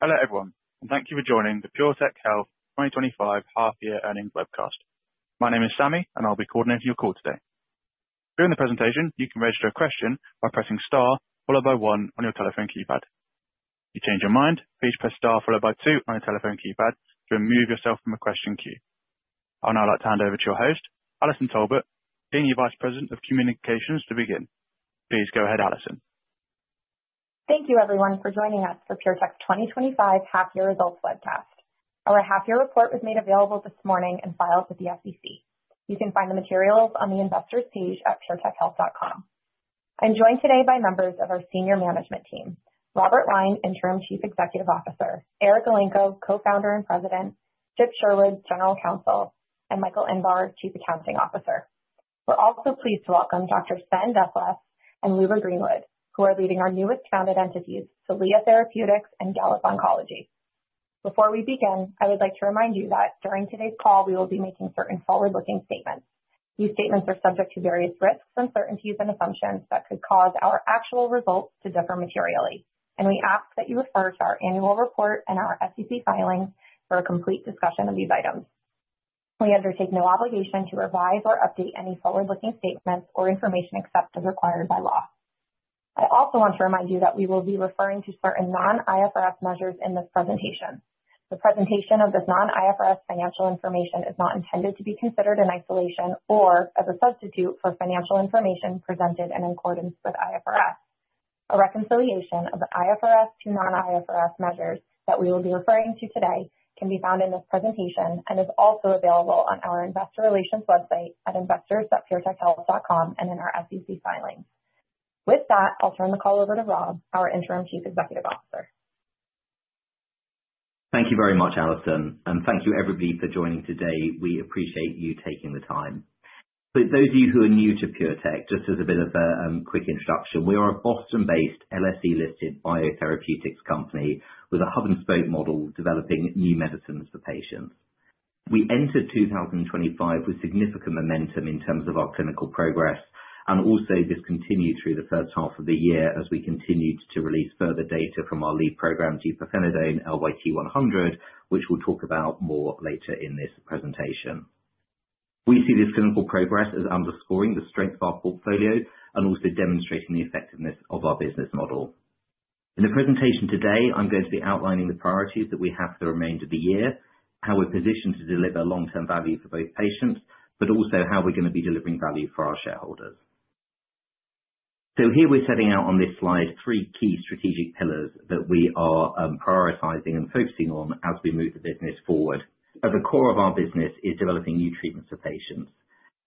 Hello everyone, and thank you for joining the PureTech Health 2025 Half Year Earnings webcast. My name is Sammy, and I'll be coordinating your call today. During the presentation, you can register a question by pressing star followed by one on your telephone keypad. If you change your mind, please press star followed by two on your telephone keypad to remove yourself from the question queue. I'd now like to hand over to your host, Allison Mead Talbot, Senior Vice President of Communications, to begin. Please go ahead, Allison. Thank you everyone for joining us for PureTech Health's 2025 Half Year Results webcast. Our half-year report was made available this morning and filed with the SEC. You can find the materials on the investors page at puretechhealth.com. I'm joined today by members of our senior management team: Robert Lyne, Interim Chief Executive Officer; Eric Elenko, Co-Founder and President; Chip Sherwood, General Counsel; and Michael Inbar, Chief Accounting Officer. We're also pleased to welcome Dr. Sven Dethlefs and Luba Greenwood, who are leading our newest founded entities, Celea Therapeutics and Gallop Oncology. Before we begin, I would like to remind you that during today's call, we will be making certain forward-looking statements. These statements are subject to various risks, uncertainties, and assumptions that could cause our actual results to differ materially, and we ask that you refer to our annual report and our SEC filings for a complete discussion of these items. We undertake no obligation to revise or update any forward-looking statements or information except as required by law. I also want to remind you that we will be referring to certain non-IFRS measures in this presentation. The presentation of this non-IFRS financial information is not intended to be considered in isolation or as a substitute for financial information presented in accordance with IFRS. A reconciliation of the IFRS to non-IFRS measures that we will be referring to today can be found in this presentation and is also available on our investor relations website at investors.puretechhealth.com and in our SEC filing. With that, I'll turn the call over to Rob, our Interim Chief Executive Officer. Thank you very much, Allison, and thank you everybody for joining today. We appreciate you taking the time. For those of you who are new to PureTech Health, just as a bit of a quick introduction, we are a Boston-based LSE-listed biotherapeutics company with a hub and spoke model developing new medicines for patients. We entered 2025 with significant momentum in terms of our clinical progress, and also this continued through the first half of the year as we continued to release further data from our lead program, deupirfenidone LYT-100, which we'll talk about more later in this presentation. We see this clinical progress as underscoring the strength of our portfolio and also demonstrating the effectiveness of our business model. In the presentation today, I'm going to be outlining the priorities that we have for the remainder of the year, how we're positioned to deliver long-term value for both patients, but also how we're going to be delivering value for our shareholders. Here we're setting out on this slide three key strategic pillars that we are prioritizing and focusing on as we move the business forward. At the core of our business is developing new treatments for patients.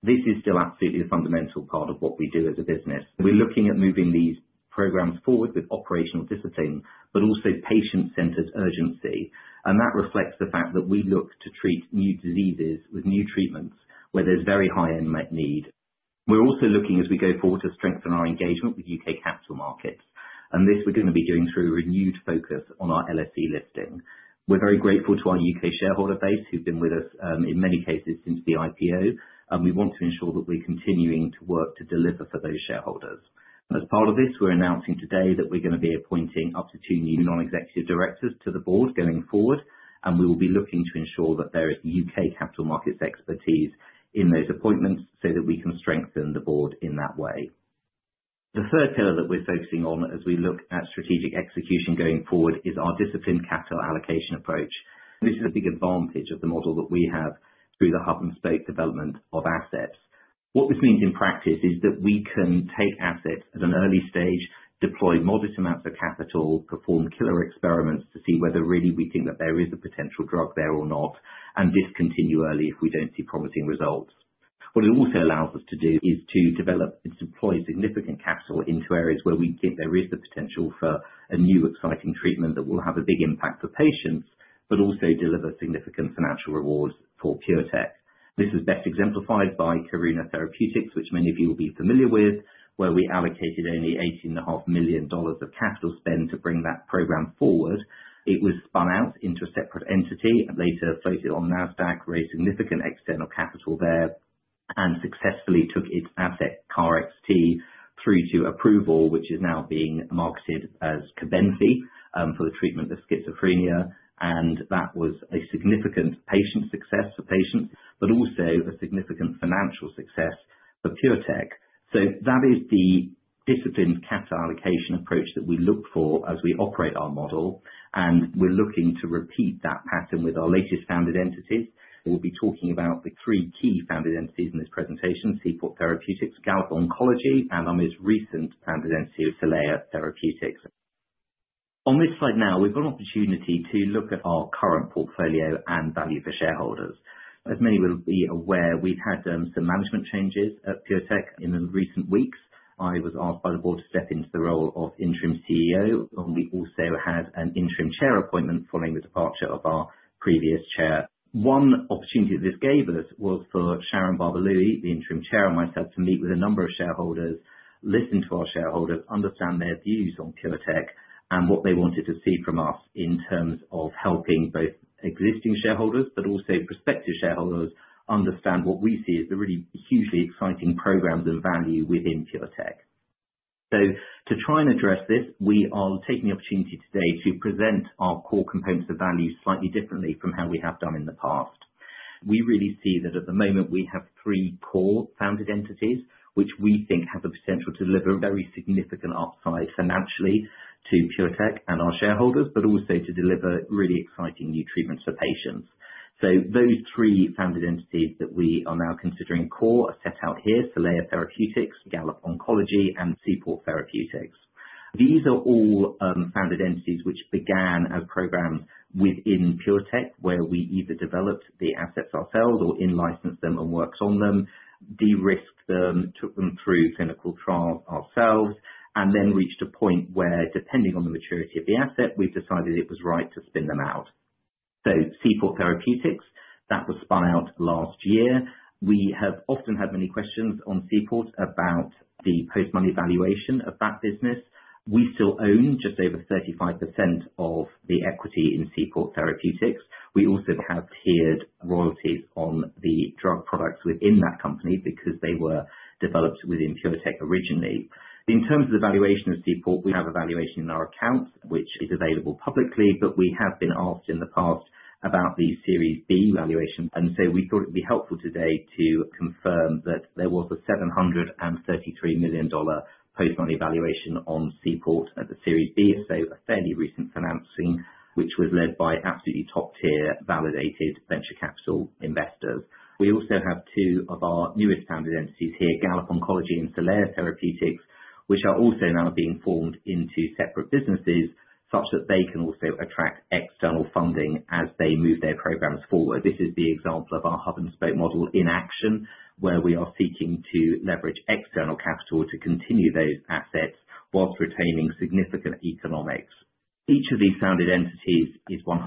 This is still absolutely a fundamental part of what we do as a business. We're looking at moving these programs forward with operational discipline, but also patient-centered urgency, and that reflects the fact that we look to treat new diseases with new treatments where there's very high unmet need. We're also looking, as we go forward, to strengthen our engagement with the U.K. capital market, and this we're going to be doing through a renewed focus on our LSE listing. We're very grateful to our U.K. shareholder base who've been with us in many cases since the IPO, and we want to ensure that we're continuing to work to deliver for those shareholders. As part of this, we're announcing today that we're going to be appointing up to two new non-executive directors to the board going forward, and we will be looking to ensure that there is U.K. capital markets expertise in those appointments so that we can strengthen the board in that way. The third pillar that we're focusing on as we look at strategic execution going forward is our disciplined capital allocation approach, and this is a big advantage of the model that we have through the hub and spoke development of assets. What this means in practice is that we can take assets at an early stage, deploy modest amounts of capital, perform killer experiments to see whether really we think that there is a potential drug there or not, and discontinue early if we don't see promising results. What it also allows us to do is to develop and deploy significant capital into areas where we think there is the potential for a new exciting treatment that will have a big impact for patients, but also deliver significant financial rewards for PureTech. This is best exemplified by Karuna Therapeutics, which many of you will be familiar with, where we allocated only $18.5 million of capital spend to bring that program forward. It was spun out into a separate entity and later floated on NASDAQ, raised significant external capital there, and successfully took its asset, KarXT, through to approval, which is now being marketed as Cobenfy for the treatment of schizophrenia, and that was a significant patient success for patients, but also a significant financial success for PureTech. That is the disciplined capital allocation approach that we look for as we operate our model, and we're looking to repeat that pattern with our latest founded entities. We'll be talking about the three key founded entities in this presentation: Seaport Therapeutics, Gallop Oncology, and our most recent founded entity of Celea Therapeutics. On this slide now, we've got an opportunity to look at our current portfolio and value for shareholders. As many will be aware, we've had some management changes at PureTech in the recent weeks. I was asked by the board to step into the role of Interim CEO, and we've also had an Interim Chair appointment following the departure of our previous Chair. One opportunity that this gave us was for Sharon Barber-Lui, the Interim Chair on my side, to meet with a number of shareholders, listen to our shareholders, understand their views on PureTech and what they wanted to see from us in terms of helping both existing shareholders, but also prospective shareholders, understand what we see as the really hugely exciting programs of value within PureTech. To try and address this, we are taking the opportunity today to present our core components of value slightly differently from how we have done in the past. We really see that at the moment we have three core founded entities which we think have the potential to deliver very significant upside financially to PureTech and our shareholders, but also to deliver really exciting new treatments for patients. Those three founded entities that we are now considering core are set out here: Celea Therapeutics, Gallop Oncology, and Seaport Therapeutics. These are all founded entities which began as programs within PureTech where we either developed the assets ourselves or in-licensed them and worked on them, de-risked them, took them through clinical trials ourselves, and then reached a point where, depending on the maturity of the asset, we've decided it was right to spin them out. Seaport Therapeutics was spun out last year. We have often had many questions on Seaport about the post-money valuation of that business. We still own just over 35% of the equity in Seaport Therapeutics. We also have tiered royalties on the drug products within that company because they were developed within PureTech originally. In terms of the valuation of Seaport, we have a valuation in our accounts which is available publicly, but we have been asked in the past about the Series B valuation, and we thought it'd be helpful today to confirm that there was a $733 million post-money valuation on Seaport at the Series B, a fairly recent financing which was led by absolutely top-tier validated venture capital investors. We also have two of our newest founded entities here, Gallop Oncology and Celea Therapeutics, which are also now being formed into separate businesses such that they can also attract external funding as they move their programs forward. This is the example of our hub and spoke model in action where we are seeking to leverage external capital to continue those assets whilst retaining significant economics. Each of these founded entities is 100%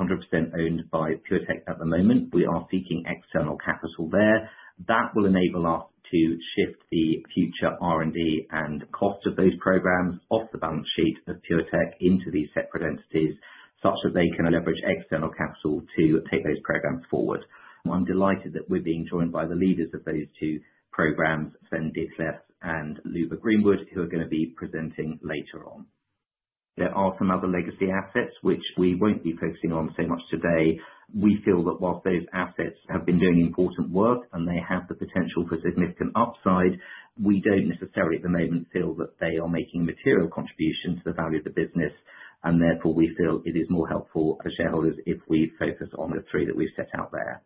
owned by PureTech at the moment. We are seeking external capital there. That will enable us to shift the future R&D and cost of those programs off the balance sheet of PureTech into these separate entities such that they can leverage external capital to take those programs forward. I'm delighted that we're being joined by the leaders of those two programs, Sven Dethlefs and Luba Greenwood, who are going to be presenting later on. There are some other legacy assets which we won't be focusing on so much today. We feel that whilst those assets have been doing important work and they have the potential for significant upside, we don't necessarily at the moment feel that they are making a material contribution to the value of the business, and therefore we feel it is more helpful as shareholders if we focus on the three that we've set out there.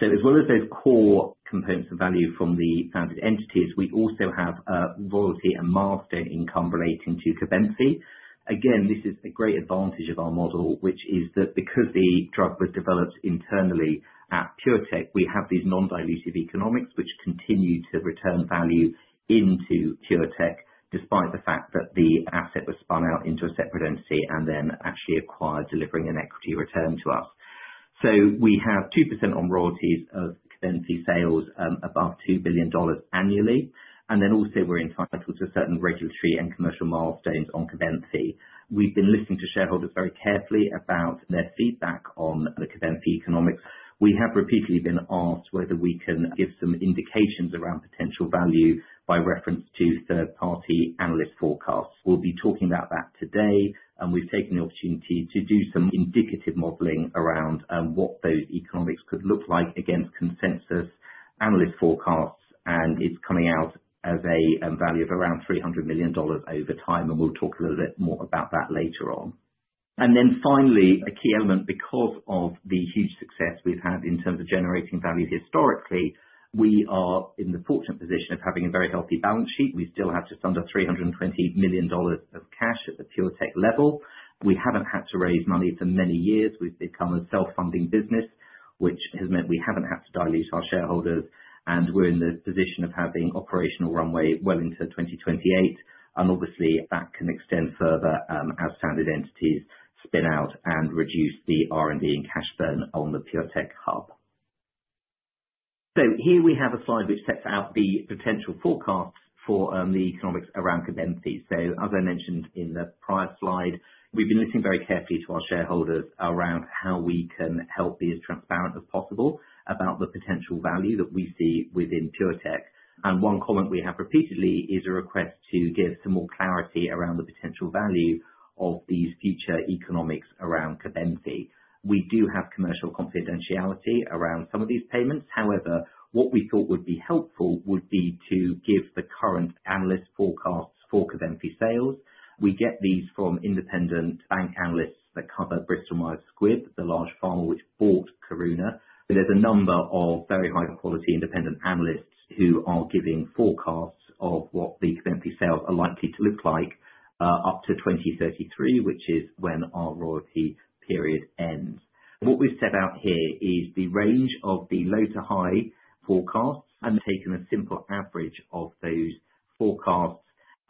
As well as those core components of value from the founded entities, we also have a royalty and milestone income relating to Cobenfy. Again, this is a great advantage of our model, which is that because the drug was developed internally at PureTech, we have these non-dilutive economics which continue to return value into PureTech despite the fact that the asset was spun out into a separate entity and then actually acquired, delivering an equity return to us. We have 2% on royalties of Cobenfy sales of about $2 billion annually, and then also we're entitled to certain regulatory and commercial milestones on Cobenfy. We've been listening to shareholders very carefully about their feedback on the Cobenfy economics. We have repeatedly been asked whether we can give some indications around potential value by reference to third-party analyst forecasts. We'll be talking about that today, and we've taken the opportunity to do some indicative modeling around what those economics could look like against consensus analyst forecasts, and it's coming out as a value of around $300 million over time, and we'll talk a little bit more about that later on. Finally, a key element because of the huge success we've had in terms of generating value historically, we are in the fortunate position of having a very healthy balance sheet. We still have just under $320 million of cash at the PureTech level. We haven't had to raise money for many years. We've become a self-funding business, which has meant we haven't had to dilute our shareholders, and we're in the position of having operational runway well into 2028, and obviously that can extend further as founded entities spin out and reduce the R&D and cash burn on the PureTech hub. Here we have a slide which sets out the potential forecasts for the economics around Cobenfy. As I mentioned in the prior slide, we've been listening very carefully to our shareholders around how we can help be as transparent as possible about the potential value that we see within PureTech, and one comment we have repeatedly is a request to give some more clarity around the potential value of these future economics around Cobenfy. We do have commercial confidentiality around some of these payments. However, what we thought would be helpful would be to give the current analyst forecasts for Cobenfy sales. We get these from independent bank analysts that cover Bristol Myers Squibb, the large pharma which bought Karuna, but there's a number of very high-quality independent analysts who are giving forecasts of what the Cobenfy sales are likely to look like up to 2033, which is when our royalty period ends. What we've set out here is the range of the low to high forecasts and taken a simple average of those forecasts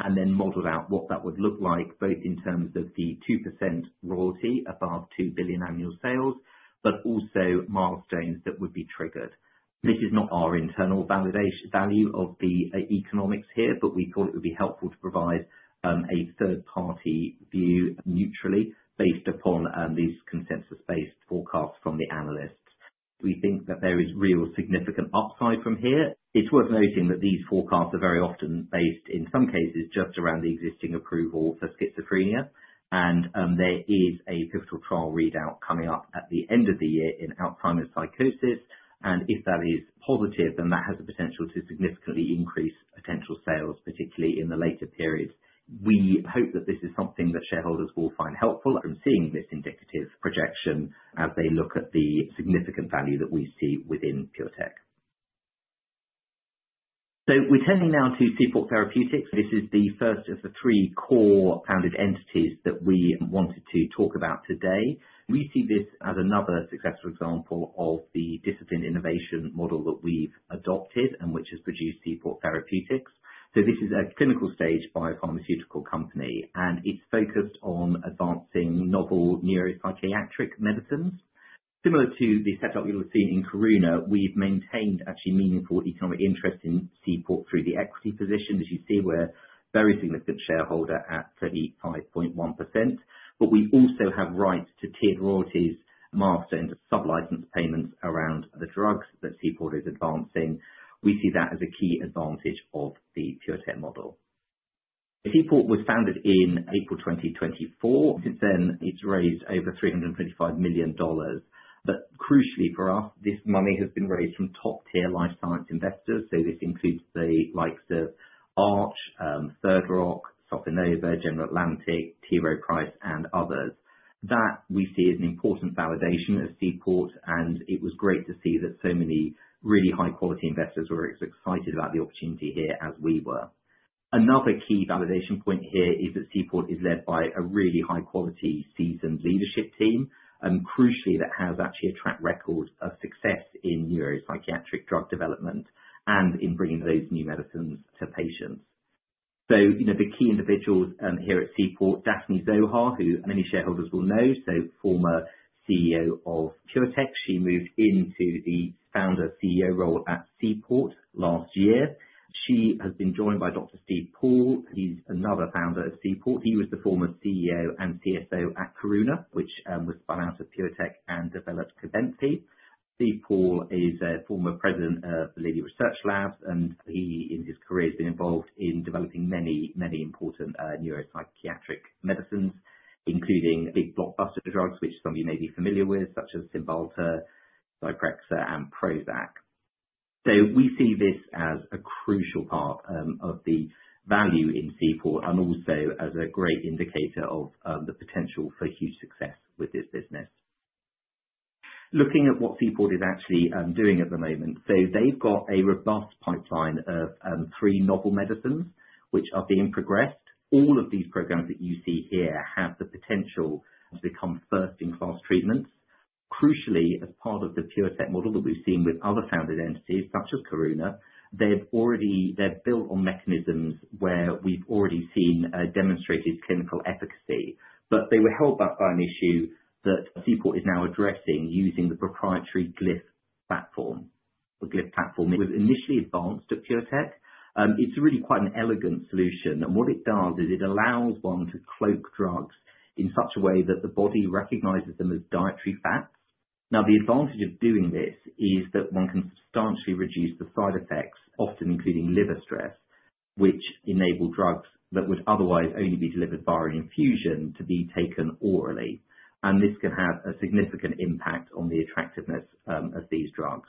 and then modeled out what that would look like both in terms of the 2% royalty above $2 billion annual sales, but also milestones that would be triggered. This is not our internal validation value of the economics here, but we thought it would be helpful to provide a third-party view neutrally based upon these consensus-based forecasts from the analysts. We think that there is real significant upside from here. It's worth noting that these forecasts are very often based, in some cases, just around the existing approval for schizophrenia, and there is a pivotal trial readout coming up at the end of the year in Alzheimer's psychosis, and if that is positive, then that has the potential to significantly increase potential sales, particularly in the later period. We hope that this is something that shareholders will find helpful in seeing this indicative projection as they look at the significant value that we see within PureTech. We're turning now to Seaport Therapeutics. This is the first of the three core founded entities that we wanted to talk about today. We see this as another successful example of the discipline innovation model that we've adopted and which has produced Seaport Therapeutics. This is a clinical stage biopharmaceutical company, and it's focused on advancing novel neuropsychiatric medicines. Similar to the setup you'll have seen in Karuna, we've maintained actually meaningful economic interest in Seaport through the equity position. As you see, we're a very significant shareholder at 35.1%, but we also have rights to tiered royalties, milestone, and sub-licensed payments around the drugs that Seaport is advancing. We see that as a key advantage of the PureTech model. Seaport was founded in April 2024. Since then, it's raised over $325 million, but crucially for us, this money has been raised from top-tier life science investors. This includes the likes of ARCH, Third Rock, Sotheby's, General Atlantic, T. Rowe Price, and others. That we see as an important validation of Seaport, and it was great to see that so many really high-quality investors were excited about the opportunity here as we were. Another key validation point here is that Seaport is led by a really high-quality, seasoned leadership team, and crucially, that has actually a track record of success in neuropsychiatric drug development and in bringing those new medicines to patients. The key individuals here at Seaport, Daphne Zohar, who many shareholders will know, former CEO of PureTech, she moved into the founder/CEO role at Seaport last year. She has been joined by Dr. Steve Paul. He's another founder of Seaport. He was the former CEO and CFO at Karuna, which was spun out of PureTech and developed Cobenfy. Steve Paul is a former president of Validity Research Labs, and he in his career has been involved in developing many, many important neuropsychiatric medicines, including big blockbuster drugs, which some of you may be familiar with, such as Cymbalta, Zyprexa, and Prozac. We see this as a crucial part of the value in Seaport and also as a great indicator of the potential for huge success with this business. Looking at what Seaport is actually doing at the moment, they've got a robust pipeline of three novel medicines which are being progressed. All of these programs that you see here have the potential to become first-in-class treatments. Crucially, as part of the PureTech model that we've seen with other founded entities such as Karuna, they've built on mechanisms where we've already seen demonstrated clinical efficacy, but they were held back by an issue that Seaport is now addressing using the proprietary Glyph platform. The Glyph platform was initially advanced at PureTech. It's really quite an elegant solution, and what it does is it allows one to cloak drugs in such a way that the body recognizes them as dietary fats. Now, the advantage of doing this is that one can substantially reduce the side effects, often including liver stress, which enable drugs that would otherwise only be delivered via infusion to be taken orally. This can have a significant impact on the attractiveness of these drugs.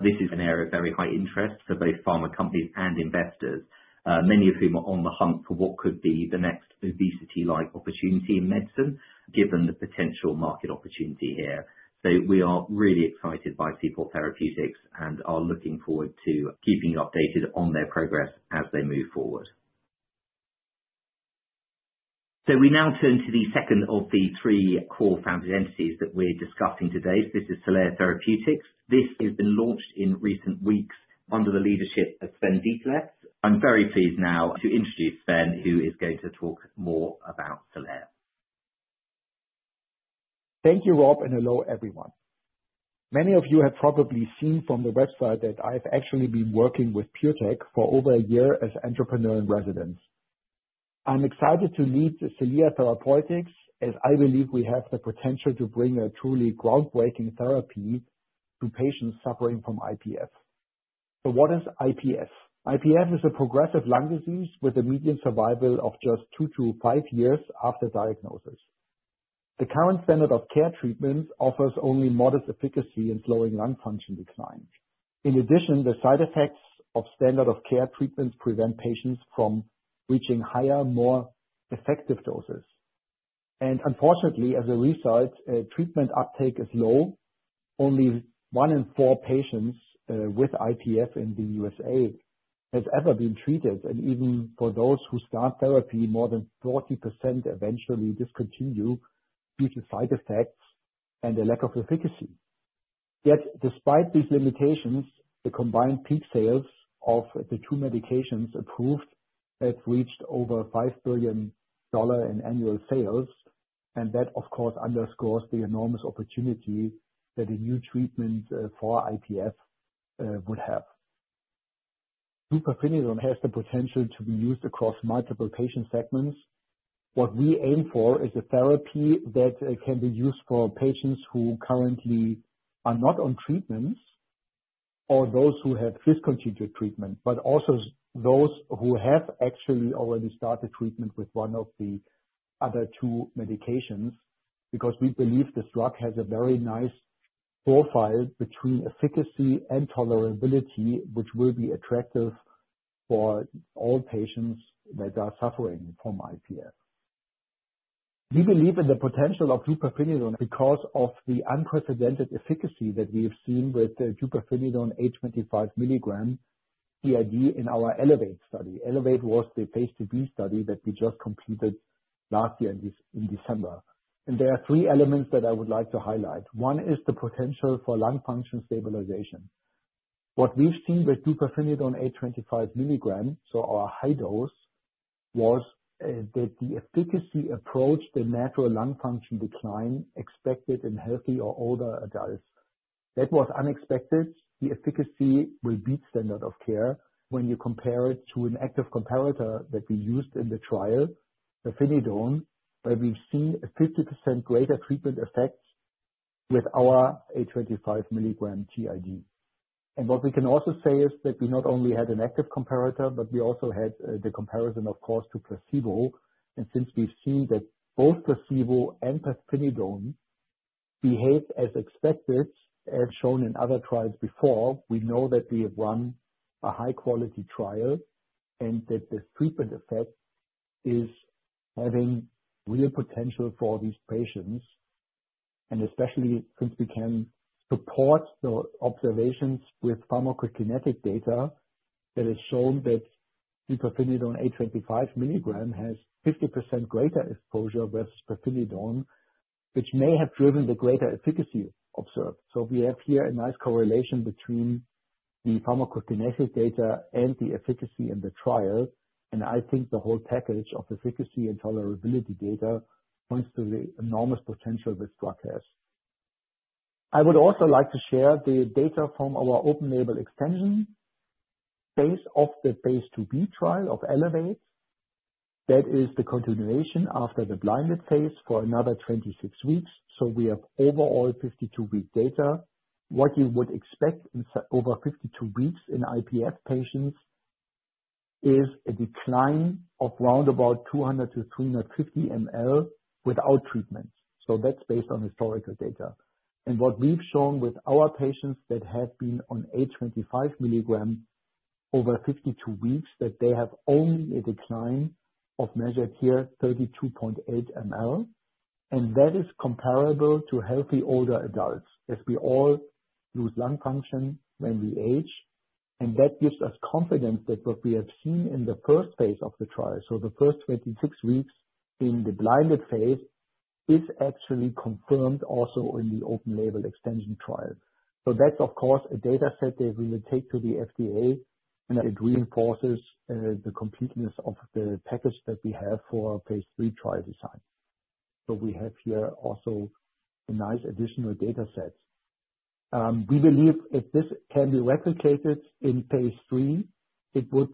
This is an area of very high interest for both pharma companies and investors, many of whom are on the hunt for what could be the next obesity-like opportunity in medicine, given the potential market opportunity here. We are really excited by Seaport Therapeutics and are looking forward to keeping you updated on their progress as they move forward. We now turn to the second of the three core founded entities that we're discussing today. This is Celea Therapeutics. This has been launched in recent weeks under the leadership of Sven Dethlefs. I'm very pleased now to introduce Sven, who is going to talk more about Celea. Thank you, Rob, and hello everyone. Many of you have probably seen from the website that I've actually been working with PureTech Health for over a year as an entrepreneur in residence. I'm excited to lead Celea Therapeutics as I believe we have the potential to bring a truly groundbreaking therapy to patients suffering from idiopathic pulmonary fibrosis (IPF). What is IPF? IPF is a progressive lung disease with a median survival of just two to five years after diagnosis. The current standard of care treatment offers only modest efficacy in slowing lung function decline. In addition, the side effects of standard of care treatments prevent patients from reaching higher, more effective doses. Unfortunately, as a result, treatment uptake is low. Only one in four patients with IPF in the U.S. has ever been treated, and even for those who start therapy, more than 40% eventually discontinue due to side effects and a lack of efficacy. Yet, despite these limitations, the combined peak sales of the two medications approved have reached over $5 billion in annual sales, and that, of course, underscores the enormous opportunity that a new treatment for IPF would have. Deupirfenidone has the potential to be used across multiple patient segments. What we aim for is a therapy that can be used for patients who currently are not on treatments or those who have discontinued treatment, but also those who have actually already started treatment with one of the other two medications because we believe this drug has a very nice profile between efficacy and tolerability, which will be attractive for all patients that are suffering from IPF. We believe in the potential of deupirfenidone because of the unprecedented efficacy that we have seen with deupirfenidone 825 mg t.i.d. in our ELEVATE study. ELEVATE was the Phase II-B study that we just completed last year in December. There are three elements that I would like to highlight. One is the potential for lung function stabilization. What we've seen with deupirfenidone 825 mg, so our high dose, was that the efficacy approached the natural lung function decline expected in healthy or older adults. That was unexpected. The efficacy repeats standard of care when you compare it to an active comparator that we used in the trial, deupirfenidone, where we've seen a 50% greater treatment effect with our 825 mg t.i.d. We can also say that we not only had an active comparator, but we also had the comparison, of course, to placebo. Since we've seen that both placebo and deupirfenidone behave as expected, as shown in other trials before, we know that we have run a high-quality trial and that the treatment effect is having real potential for these patients, especially since we can support the observations with pharmacokinetic data that has shown that deupirfenidone 825 mg has 50% greater exposure with deupirfenidone, which may have driven the greater efficacy observed. We have here a nice correlation between the pharmacokinetic data and the efficacy in the trial, and I think the whole package of efficacy and tolerability data points to the enormous potential this drug has. I would also like to share the data from our open-label extension based off the Phase II-B trial of ELEVATE. That is the continuation after the blinded phase for another 26 weeks. We have overall 52-week data. What you would expect in over 52 weeks in idiopathic pulmonary fibrosis patients is a decline of around 200 ml-350 ml without treatment. That is based on historical data. What we've shown with our patients that have been on 825 mg over 52 weeks is that they have only a decline of, measured here, 32.8 ml, and that is comparable to healthy older adults as we all lose lung function when we age. That gives us confidence that what we have seen in the first phase of the trial, the first 26 weeks in the blinded phase, is actually confirmed also in the open-label extension trial. That is, of course, a data set that we will take to the FDA, and it reinforces the completeness of the package that we have for our Phase III trial design. We have here also a nice additional data set. We believe if this can be replicated in Phase III, it would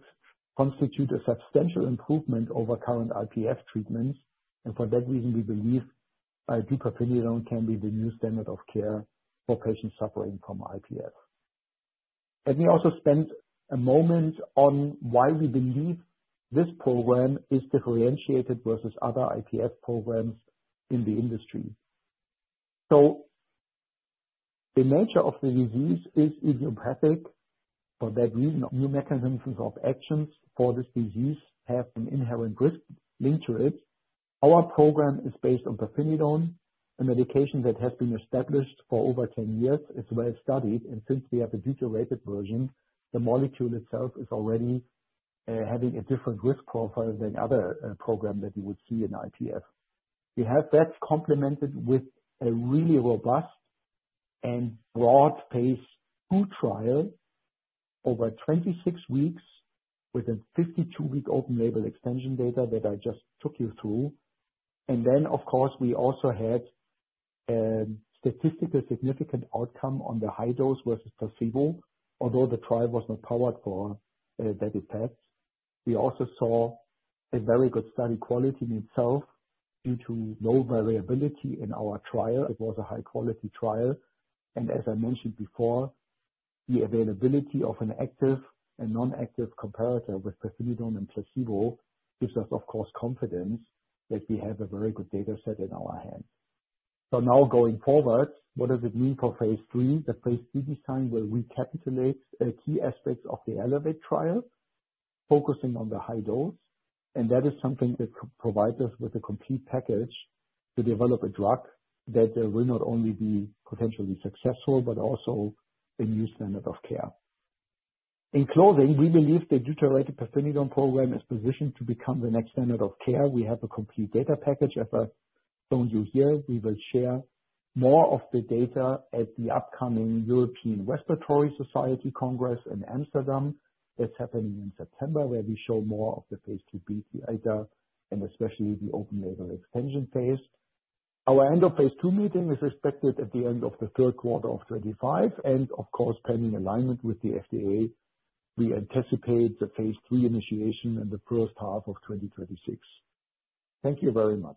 constitute a substantial improvement over current idiopathic pulmonary fibrosis treatments, and for that reason, we believe deupirfenidone can be the new standard of care for patients suffering from idiopathic pulmonary fibrosis. Let me also spend a moment on why we believe this program is differentiated versus other idiopathic pulmonary fibrosis programs in the industry. The nature of the disease is idiopathic. For that reason, new mechanisms of action for this disease have an inherent risk linked to it. Our program is based on deupirfenidone, a medication that has been established for over 10 years. It's well studied, and since we have a deuterated version, the molecule itself is already having a different risk profile than other programs that you would see in idiopathic pulmonary fibrosis. We have that complemented with a really robust and broad-based two trials over 26 weeks within 52-week open-label extension data that I just took you through. Of course, we also had a statistically significant outcome on the high dose versus placebo, although the trial was not powered for that effect. We also saw a very good study quality in itself due to low variability in our trial. It was a high-quality trial, and as I mentioned before, the availability of an active and non-active comparator with deupirfenidone and placebo gives us confidence that we have a very good data set in our hands. Now going forward, what does it mean for Phase III? The Phase III design will recapitulate key aspects of the ELEVATE trial, focusing on the high dose, and that is something that provides us with a complete package to develop a drug that will not only be potentially successful but also a new standard of care. In closing, we believe the deupirfenidone program is positioned to become the next standard of care. We have a complete data package, as I've shown you here. We will share more of the data at the upcoming European Respiratory Society Congress in Amsterdam that's happening in September, where we show more of the Phase II-B data and especially the open-label extension phase. Our end of Phase II meeting is expected at the end of the third quarter of 2025, and pending alignment with the U.S. FDA, we anticipate the Phase III initiation in the first half of 2026. Thank you very much.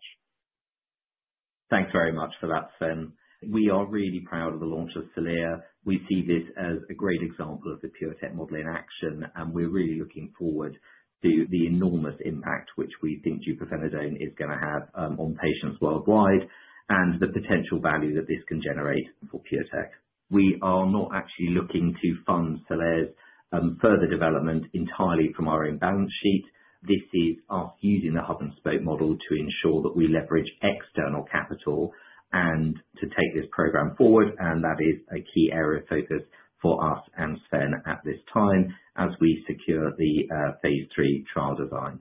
Thanks very much for that, Sven. We are really proud of the launch of Celea. We see this as a great example of the PureTech model in action, and we're really looking forward to the enormous impact which we think deupirfenidone is going to have on patients worldwide and the potential value that this can generate for PureTech. We are not actually looking to fund Celea's further development entirely from our own balance sheet. This is using the hub and spoke model to ensure that we leverage external capital and to take this program forward, and that is a key area of focus for us and Sven at this time as we secure the Phase III trial design.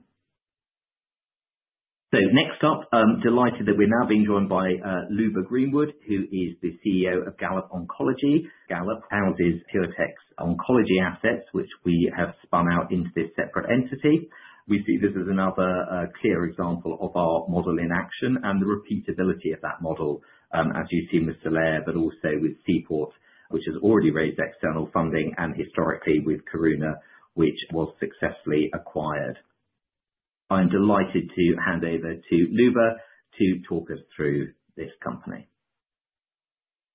Next up, I'm delighted that we're now being joined by Luba Greenwood, who is the CEO of Gallop Oncology. Gallop houses PureTech's oncology assets, which we have spun out into this separate entity. We see this as another clear example of our model in action and the repeatability of that model, as you've seen with Celea, but also with Seaport, which has already raised external funding, and historically with Karuna, which was successfully acquired. I'm delighted to hand over to Luba to talk us through this company.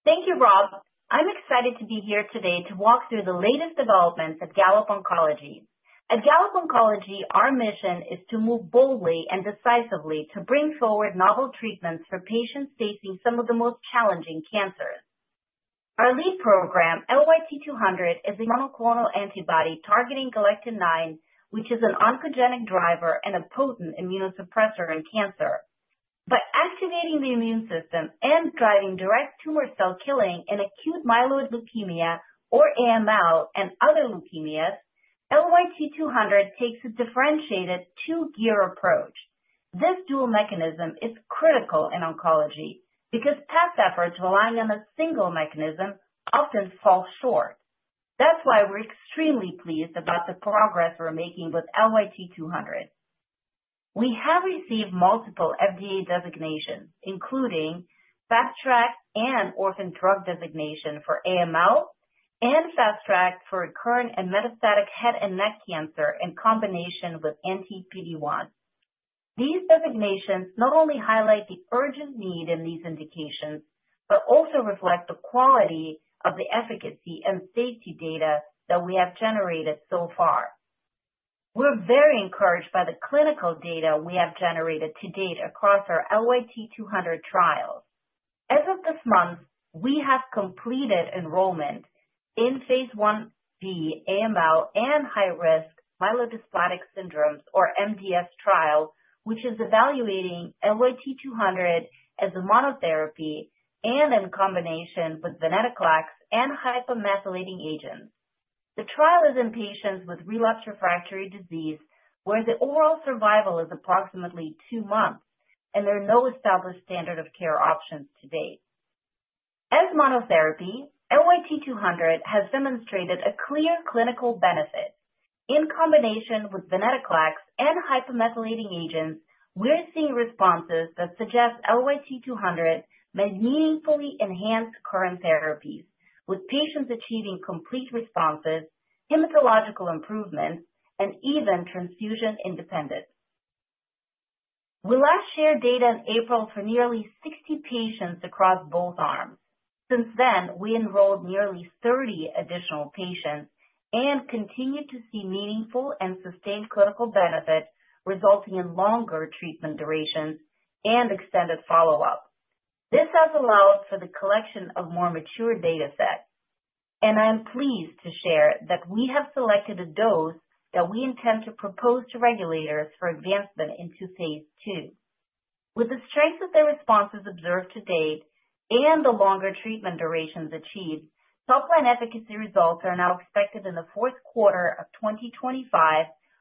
Thank you, Rob. I'm excited to be here today to walk through the latest developments at Gallop Oncology. At Gallop Oncology, our mission is to move boldly and decisively to bring forward novel treatments for patients facing some of the most challenging cancers. Our lead program, LYT-200, is a monoclonal antibody targeting galactanide, which is an oncogenic driver and a potent immunosuppressor in cancer. By activating the immune system and driving direct tumor cell killing in acute myeloid leukemia, or AML, and other leukemias, LYT-200 takes a differentiated two-gear approach. This dual mechanism is critical in oncology because past efforts relying on a single mechanism often fall short. That is why we're extremely pleased about the progress we're making with LYT-200. We have received multiple FDA designations, including FastTrack and Orphan Drug designation for AML and FastTrack for recurrent and metastatic head and neck cancer in combination with anti-PD-1. These designations not only highlight the urgent need in these indications but also reflect the quality of the efficacy and safety data that we have generated so far. We're very encouraged by the clinical data we have generated to date across our LYT-200 trials. As of this month, we have completed enrollment in Phase I-B AML and high-risk myelodysplastic syndromes, or MDS, trial, which is evaluating LYT-200 as a monotherapy and in combination with venetoclax and hypomethylating agents. The trial is in patients with relapsed refractory disease where the overall survival is approximately two months, and there are no established standard of care options to date. As monotherapy, LYT-200 has demonstrated a clear clinical benefit. In combination with venetoclax and hypomethylating agents, we're seeing responses that suggest LYT-200 may meaningfully enhance current therapies, with patients achieving complete responses, hematological improvement, and even transfusion independence. We last shared data in April for nearly 60 patients across both arms. Since then, we enrolled nearly 30 additional patients and continue to see meaningful and sustained clinical benefit resulting in longer treatment durations and extended follow-up. This has allowed for the collection of more mature data sets, and I am pleased to share that we have selected a dose that we intend to propose to regulators for advancement into Phase II. With the strength of the responses observed to date and the longer treatment durations achieved, subplan efficacy results are now expected in the fourth quarter of 2025,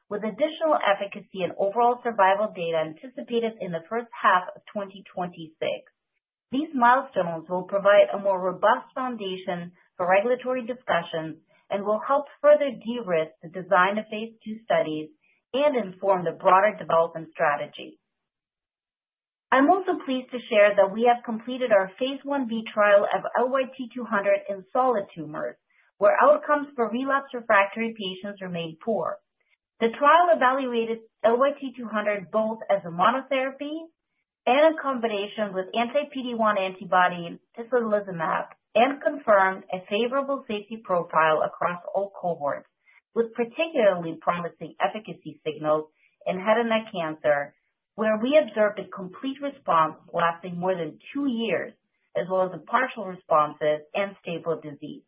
with additional efficacy and overall survival data anticipated in the first half of 2026. These milestones will provide a more robust foundation for regulatory discussions and will help further de-risk the design of Phase II studies and inform the broader development strategy. I'm also pleased to share that we have completed our Phase I-B trial of LYT-200 in solid tumors, where outcomes for relapsed refractory patients remain poor. The trial evaluated LYT-200 both as a monotherapy and in combination with anti-PD-1 antibody and tocilizumab and confirmed a favorable safety profile across all cohorts, with particularly promising efficacy signals in head and neck cancer, where we observed a complete response lasting more than two years, as well as a partial response and stable disease.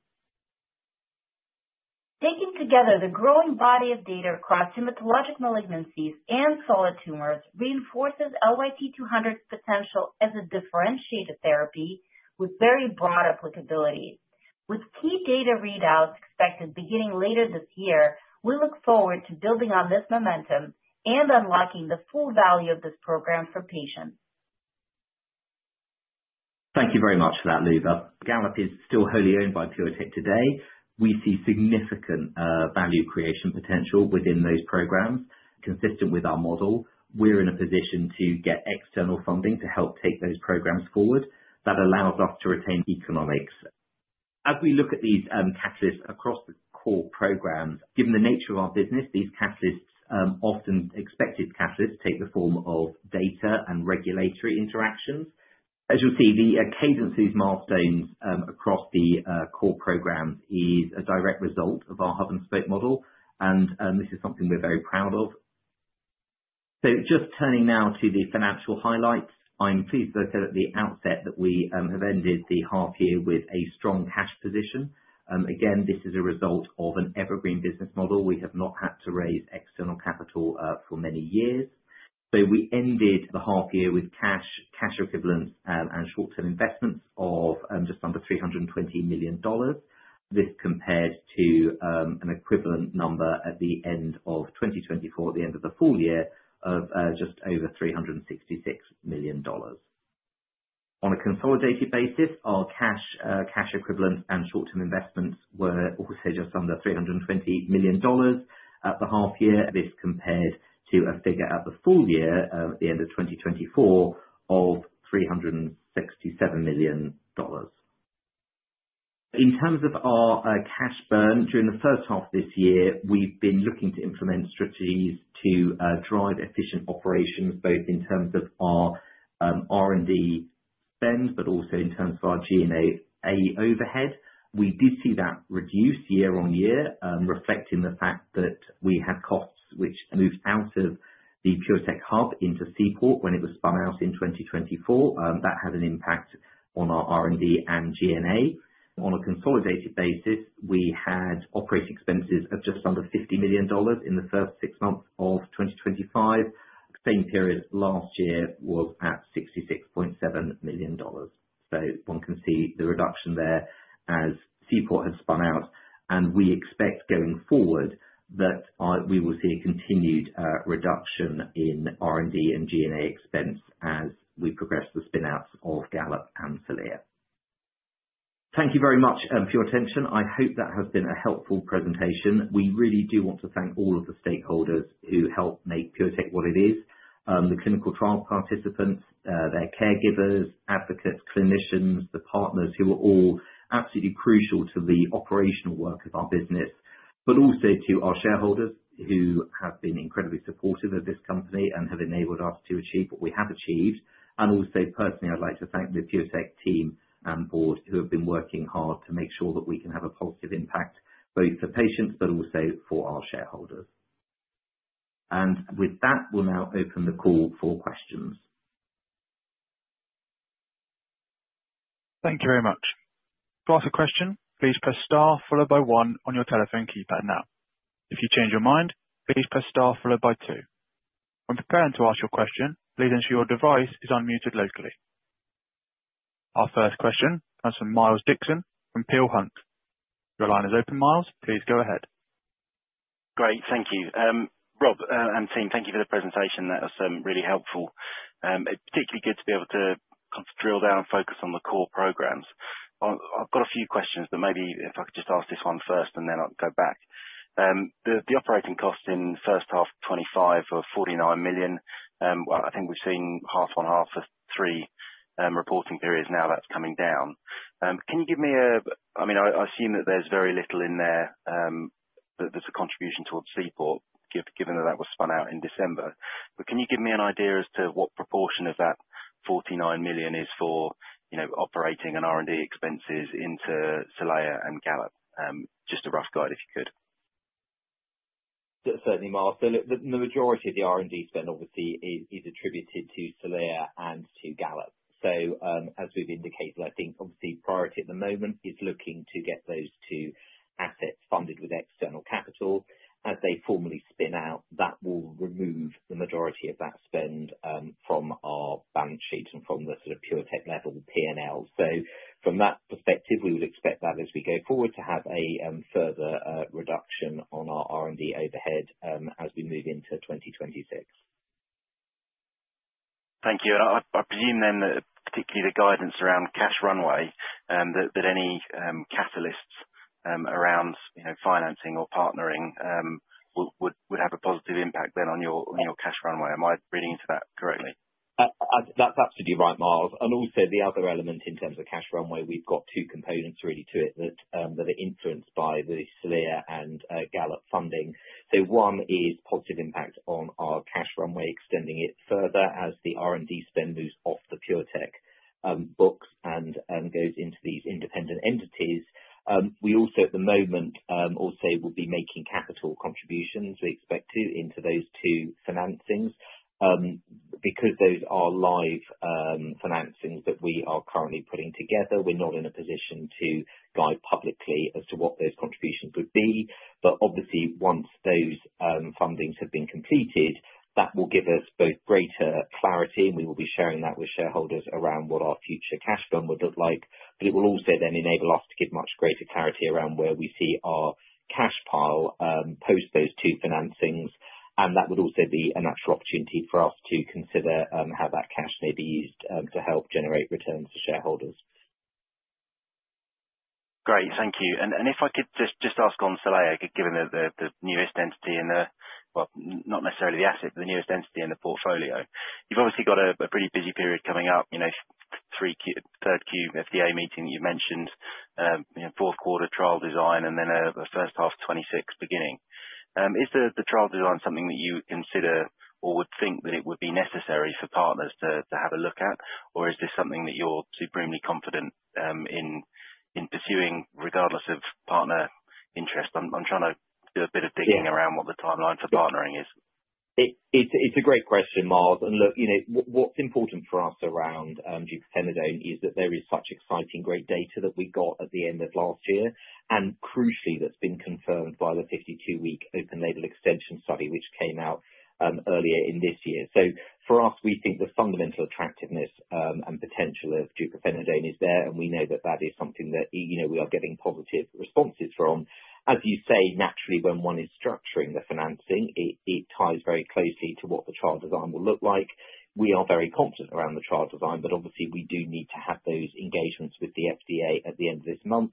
Taken together, the growing body of data across hematologic malignancies and solid tumors reinforces LYT-200's potential as a differentiated therapy with very broad applicability. With key data readouts expected beginning later this year, we look forward to building on this momentum and unlocking the full value of this program for patients. Thank you very much for that, Luba. Gallop Oncology is still wholly owned by PureTech Health today. We see significant value creation potential within those programs consistent with our model. We're in a position to get external funding to help take those programs forward. That allows us to retain economics. As we look at these catalysts across the core programs, given the nature of our business, we often expect these catalysts to take the form of data and regulatory interactions. As you'll see, the cadence of these milestones across the core program is a direct result of our hub and spoke model, and this is something we're very proud of. Just turning now to the financial highlights, I'm pleased to say at the outset that we have ended the half year with a strong cash position. This is a result of an evergreen business model. We have not had to raise external capital for many years. We ended the half year with cash, cash equivalents, and short-term investments of just under $320 million. This is compared to an equivalent number at the end of 2024, at the end of the full year, of just over $366 million. On a consolidated basis, our cash equivalents and short-term investments were also just under $320 million at the half year. This is compared to a figure at the full year at the end of 2024 of $367 million. In terms of our cash burn during the first half of this year, we've been looking to implement strategies to drive efficient operations, both in terms of our R&D spend but also in terms of our G&A overhead. We did see that reduce year on year, reflecting the fact that we had costs which moved out of the PureTech Health hub into Seaport Therapeutics when it was spun out in 2024. That had an impact on our R&D and G&A. On a consolidated basis, we had operating expenses of just under $50 million in the first six months of 2025. The same period last year was at $66.7 million. One can see the reduction there as Seaport Therapeutics has spun out, and we expect going forward that we will see a continued reduction in R&D and G&A expense as we progress the spin-outs of Gallop Oncology and Celea Therapeutics. Thank you very much for your attention. I hope that has been a helpful presentation. We really do want to thank all of the stakeholders who help make PureTech Health what it is: the clinical trial participants, their caregivers, advocates, clinicians, the partners who are all absolutely crucial to the operational work of our business, but also to our shareholders who have been incredibly supportive of this company and have enabled us to achieve what we have achieved. I would also personally like to thank the PureTech Health team and board who have been working hard to make sure that we can have a positive impact both for patients and for our shareholders. With that, we'll now open the call for questions. Thank you very much. To ask a question, please press star followed by one on your telephone keypad now. If you change your mind, please press star followed by two. When preparing to ask your question, please ensure your device is unmuted locally. Our first question comes from Miles Dixon from Peel Hunt LLP. Your line is open, Miles. Please go ahead. Great, thank you. Rob and team, thank you for the presentation. That was really helpful. It's particularly good to be able to drill down and focus on the core programs. I've got a few questions, but maybe if I could just ask this one first and then I'll go back. The operating cost in the first half of 2025 was $49 million. I think we've seen half on half for three reporting periods now that's coming down. Can you give me a, I mean, I assume that there's very little in there that's a contribution towards Seaport Therapeutics given that that was spun out in December, but can you give me an idea as to what proportion of that $49 million is for, you know, operating and R&D expenses into Celea Therapeutics and Gallop Oncology? Just a rough guide if you could. Certainly, Miles. The majority of the R&D spend obviously is attributed to Celea Therapeutics and to Gallop Oncology. As we've indicated, I think obviously the priority at the moment is looking to get those two assets funded with external capital. As they formally spin out, that will remove the majority of that spend from our balance sheet and from the sort of PureTech Health level, the P&L. From that perspective, we would expect that as we go forward to have a further reduction on our R&D overhead as we move into 2026. Thank you. I presume then that particularly the guidance around cash runway, that any catalysts around financing or partnering would have a positive impact on your cash runway. Am I reading into that correctly? That's absolutely right, Miles. The other element in terms of cash runway, we've got two components really to it that are influenced by the Celea and Gallop funding. One is positive impact on our cash runway, extending it further as the R&D spend moves off the PureTech books and goes into these independent entities. We also, at the moment, will be making capital contributions, we expect to, into those two financings because those are live financings that we are currently putting together. We're not in a position to say publicly as to what those contributions would be, but obviously once those fundings have been completed, that will give us both greater clarity, and we will be sharing that with shareholders around what our future cash burn would look like. It will also then enable us to give much greater clarity around where we see our cash pile post those two financings, and that would also be a natural opportunity for us to consider how that cash may be used to help generate returns for shareholders. Great, thank you. If I could just ask on Celea Therapeutics, given that it's the newest entity in the portfolio, you've obviously got a pretty busy period coming up: third quarter FDA meeting that you mentioned, fourth quarter trial design, and then the first half of 2026 beginning. Is the trial design something that you consider or would think that it would be necessary for partners to have a look at, or is this something that you're supremely confident in pursuing regardless of partner interest? I'm trying to do a bit of digging around what the timeline for partnering is. It's a great question, Miles. What's important for us around deupirfenidone is that there is such exciting great data that we got at the end of last year, and crucially, that's been confirmed by the 52-week open-label extension study which came out earlier in this year. For us, we think the fundamental attractiveness and potential of deupirfenidone is there, and we know that is something that we are getting positive responses from. As you say, naturally, when one is structuring the financing, it ties very closely to what the trial design will look like. We are very confident around the trial design, but obviously we do need to have those engagements with the FDA at the end of this month.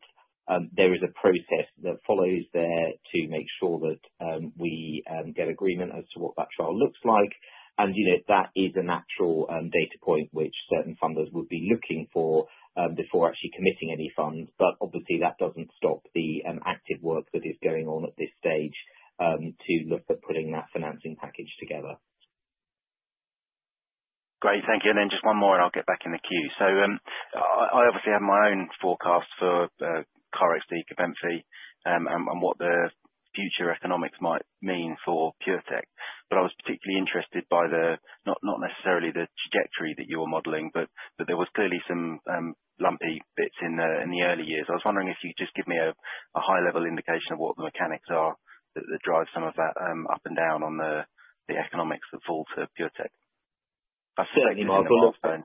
There is a process that follows there to make sure that we get agreement as to what that trial looks like, and that is a natural data point which certain funders would be looking for before actually committing any funds. Obviously, that doesn't stop the active work that is going on at this stage to look at putting that financing package together. Great, thank you. Just one more, I'll get back in the queue. I obviously have my own forecast for Cobenfy and what the future economics might mean for PureTech, but I was particularly interested by the—not necessarily the trajectory that you were modeling, but there were clearly some lumpy bits in the early years. I was wondering if you could just give me a high-level indication of what the mechanics are that drive some of that up and down on the economics that fall to PureTech. Certainly, Miles. That's a milestone.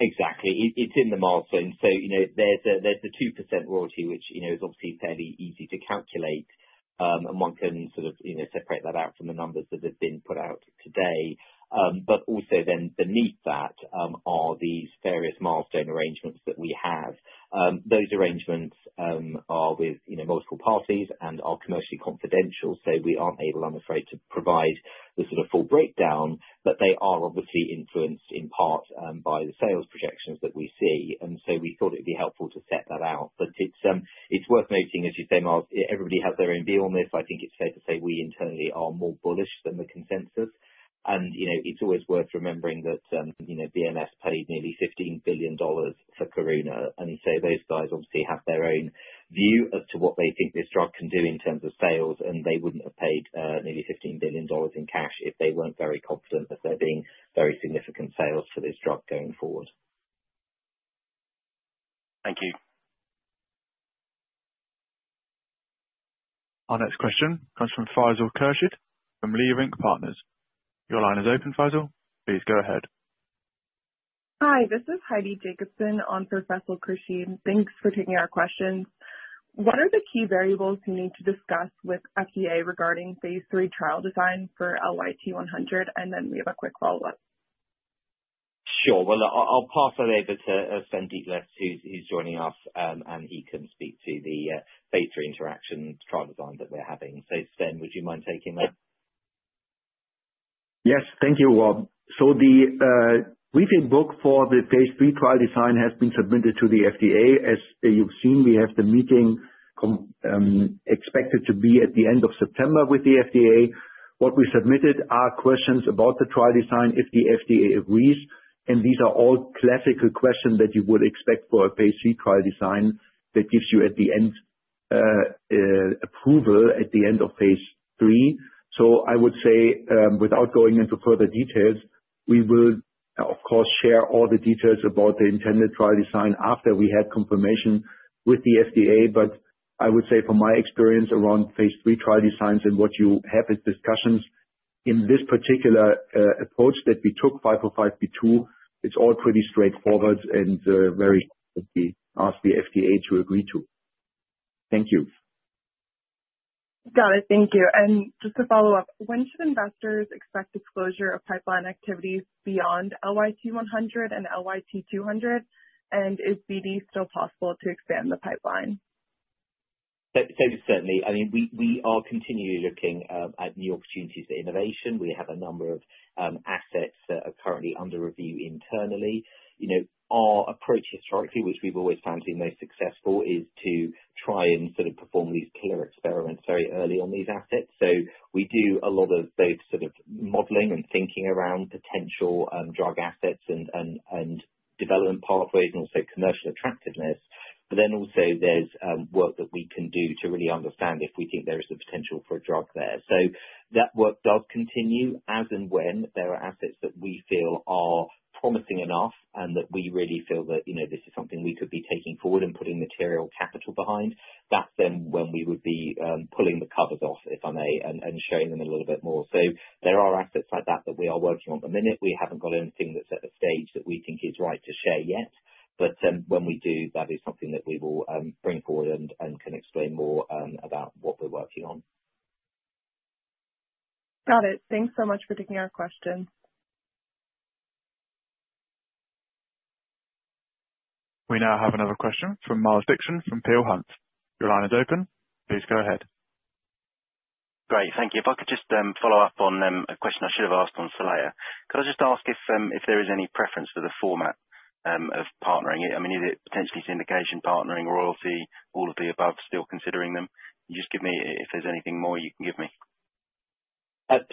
Exactly. It's in the milestones. There's the 2% royalty, which is obviously fairly easy to calculate, and one can sort of separate that out from the numbers that have been put out today. Also, beneath that are these various milestone arrangements that we have. Those arrangements are with multiple parties and are commercially confidential, so we aren't able, I'm afraid, to provide the sort of full breakdown, but they are obviously influenced in part by the sales projections that we see. We thought it'd be helpful to set that out. It's worth noting, as you say, Miles, everybody has their own view on this. I think it's fair to say we internally are more bullish than the consensus, and it's always worth remembering that Royalty Pharma paid nearly $15 billion for Karuna, and those guys obviously have their own view as to what they think this drug can do in terms of sales, and they wouldn't have paid nearly $15 billion in cash if they weren't very confident that there are being very significant sales for this drug going forward. Thank you. Our next question comes from Faisal Kershid from Leerink Partners LLC. Your line is open, Faisal. Please go ahead. Hi, this is Heidi Danielle Jacobson on Professor Kershid. Thanks for taking our questions. What are the key variables you need to discuss with the FDA regarding Phase III trial design for LYT-100? We have a quick follow-up. Sure. I'll pass that over to Sven Dethlefs, who's joining us, and he can speak to the Phase III interaction trial design that we're having. Sven, would you mind taking that? Yes, thank you, Rob. The briefing book for the Phase III trial design has been submitted to the FDA. As you've seen, we have the meeting expected to be at the end of September with the FDA. What we submitted are questions about the trial design if the FDA agrees, and these are all classical questions that you would expect for a Phase III trial design that gives you at the end approval at the end of Phase III. I would say, without going into further details, we will, of course, share all the details about the intended trial design after we had confirmation with the FDA. I would say from my experience around Phase III trial designs and what you have in discussions in this particular approach that we took, 505(b)(2), it's all pretty straightforward and very easy to ask the FDA to agree to. Thank you. Got it. Thank you. Just to follow up, when should investors expect disclosure of pipeline activities beyond LYT-100 and LYT-200, and is BD still possible to expand the pipeline? Certainly. I mean, we are continually looking at new opportunities for innovation. We have a number of assets that are currently under review internally. Our approach historically, which we've always found to be most successful, is to try and sort of perform these clear experiments very early on these assets. We do a lot of both sort of modeling and thinking around potential drug assets and development pathways and also commercial attractiveness, but then also there's work that we can do to really understand if we think there is the potential for a drug there. That work does continue as and when there are assets that we feel are promising enough and that we really feel that, you know, this is something we could be taking forward and putting material capital behind. That's then when we would be pulling the covers off, if I may, and sharing them a little bit more. There are assets like that that we are working on at the minute. We haven't got anything that's at a stage that we think is right to share yet, but when we do, that is something that we will bring forward and can explain more about what we're working on. Got it. Thanks so much for taking our questions. We now have another question from Miles Dixon from Peel Hunt LLP. Your line is open. Please go ahead. Great, thank you. If I could just follow up on a question I should have asked on Celea. Could I just ask if there is any preference for the format of partnering? I mean, is it potentially syndication partnering, royalty, all of the above, still considering them? You just give me if there's anything more you can give me.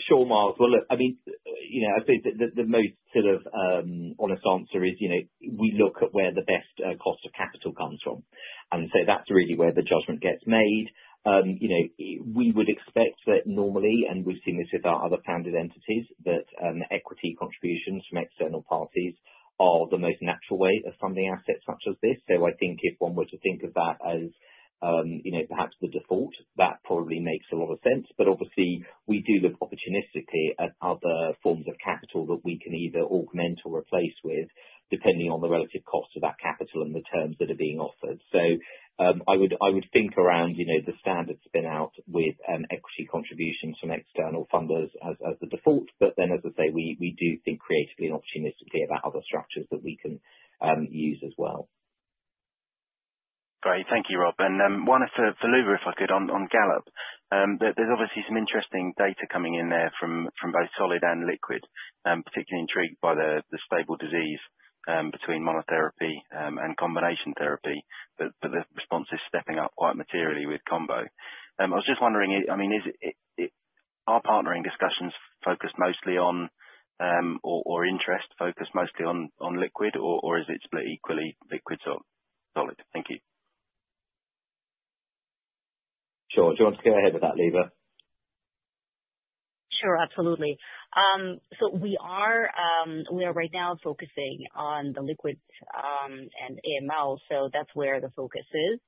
Sure, Miles. I think that the most sort of honest answer is, you know, we look at where the best cost of capital comes from, and that's really where the judgment gets made. We would expect that normally, and we've seen this with our other founded entities, that equity contributions from external parties are the most natural way of funding assets such as this. I think if one were to think of that as, you know, perhaps the default, that probably makes a lot of sense. Obviously, we do look opportunistically at other forms of capital that we can either augment or replace with depending on the relative cost of that capital and the terms that are being offered. I would think around the standard spinout with equity contributions from external funders as the default, but, as I say, we do think creatively and opportunistically about other structures that we can use as well. Great, thank you, Rob. One is to Luba if I could on Gallop. There's obviously some interesting data coming in there from both solid and liquid. I'm particularly intrigued by the stable disease between monotherapy and combination therapy, but the response is stepping up quite materially with combo. I was just wondering, are partnering discussions focused mostly on, or interest focused mostly on liquid, or is it split equally liquid to solid? Thank you. Sure. Do you want to go ahead with that, Luba? Absolutely. We are right now focusing on the liquid and AML, so that's where the focus is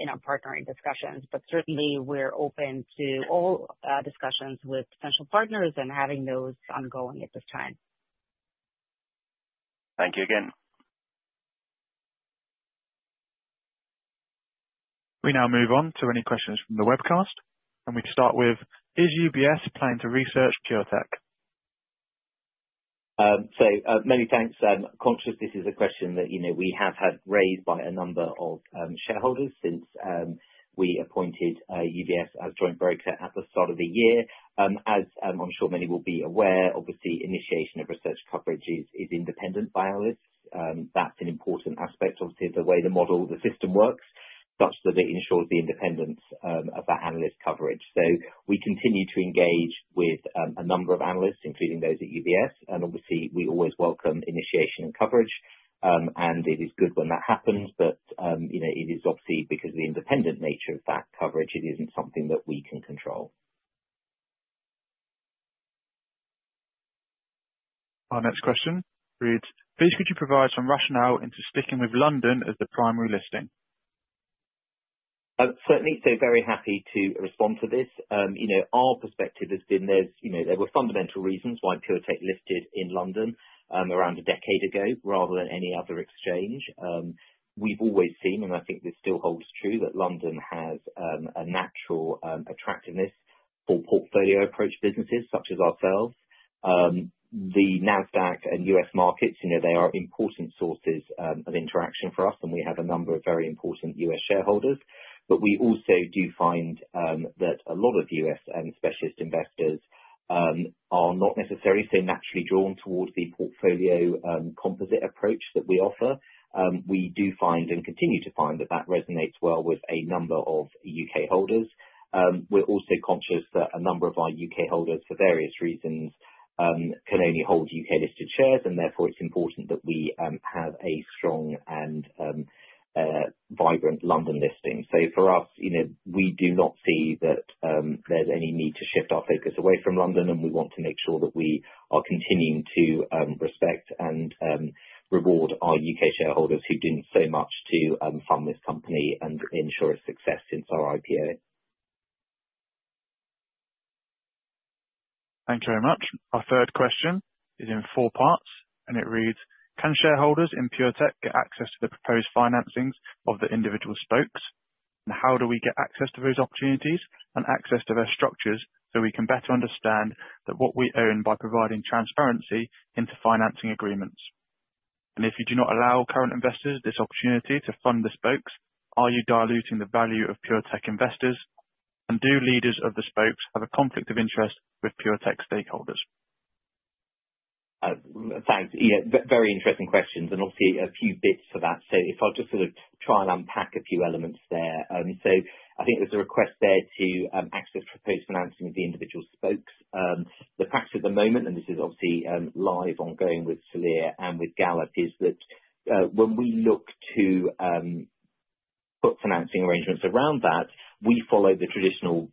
in our partnering discussions. Certainly, we're open to all discussions with potential partners and having those ongoing at this time. Thank you again. We now move on to any questions from the webcast, and we start with, is UBS planning to research PureTech? Many thanks. I'm conscious this is a question that we have had raised by a number of shareholders since we appointed UBS as joint broker at the start of the year. As I'm sure many will be aware, initiation of research coverage is independent by analysts. That's an important aspect of the way the model, the system works, such that it ensures the independence of that analyst coverage. We continue to engage with a number of analysts, including those at UBS, and we always welcome initiation and coverage, and it is good when that happens, but it is obviously because of the independent nature of that coverage, it isn't something that we can control. Our next question reads, please could you provide some rationale into sticking with London as the primary listing? Certainly. Very happy to respond to this. You know, our perspective has been there were fundamental reasons why PureTech Health listed in London around a decade ago rather than any other exchange. We've always seen, and I think this still holds true, that London has a natural attractiveness for portfolio-approached businesses such as ourselves. The NASDAQ and U.S. markets, you know, they are important sources of interaction for us, and we have a number of very important U.S. shareholders, but we also do find that a lot of U.S. and specialist investors are not necessarily so naturally drawn towards the portfolio composite approach that we offer. We do find and continue to find that that resonates well with a number of U.K. holders. We're also conscious that a number of our U.K. holders, for various reasons, can only hold U.K.-listed shares, and therefore, it's important that we have a strong and vibrant London listing. For us, you know, we do not see that there's any need to shift our focus away from London, and we want to make sure that we are continuing to respect and reward our U.K. shareholders who've done so much to fund this company and ensure its success since our IPO. Thank you very much. Our third question is in four parts, and it reads, can shareholders in PureTech get access to the proposed financings of the individual spokes, and how do we get access to those opportunities and access to their structures so we can better understand what we earn by providing transparency into financing agreements? If you do not allow current investors this opportunity to fund the spokes, are you diluting the value of PureTech investors, and do leaders of the spokes have a conflict of interest with PureTech stakeholders? Thanks. Yeah, very interesting questions, and obviously a few bits to that. I'll just sort of try and unpack a few elements there. I think there's a request there to access proposed financing of the individual spokes. The practice at the moment, and this is obviously live ongoing with Celea and with Gallop, is that when we look to put financing arrangements around that, we follow the traditional,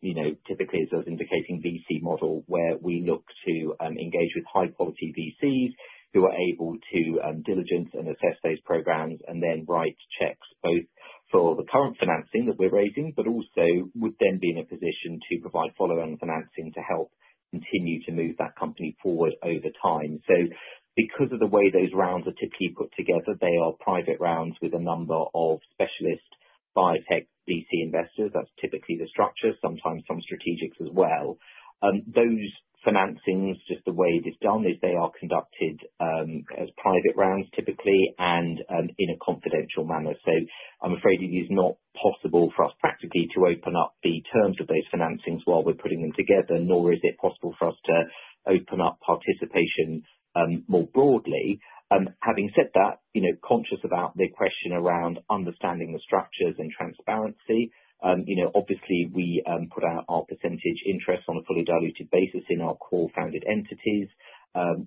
typically as I was indicating, VC model where we look to engage with high-quality VCs who are able to diligence and assess those programs and then write checks both for the current financing that we're raising, but also would then be in a position to provide follow-on financing to help continue to move that company forward over time. Because of the way those rounds are typically put together, they are private rounds with a number of specialist biotech VC investors. That's typically the structure, sometimes some strategics as well. Those financings, just the way it is done, are conducted as private rounds typically and in a confidential manner. I'm afraid it is not possible for us practically to open up the terms of those financings while we're putting them together, nor is it possible for us to open up participation more broadly. Having said that, conscious about the question around understanding the structures and transparency, obviously we put out our percentage interest on a fully diluted basis in our core founded entities.